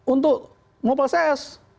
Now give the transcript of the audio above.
untuk mengopal cs